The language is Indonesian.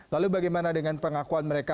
lalu bagaimana dengan pengakuan mereka